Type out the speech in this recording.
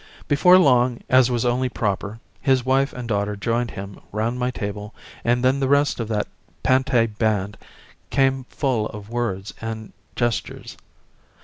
Before long, as was only proper, his wife and daughter joined him round my table and then the rest of that Pantai band came full of words and gestures.